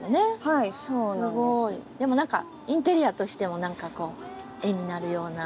でも何かインテリアとしても絵になるような。